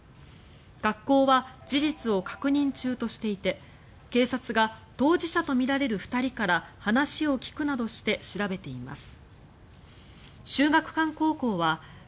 学校は事実を確認中としていて警察が当事者とみられる２人から話を聞くなどして調べています。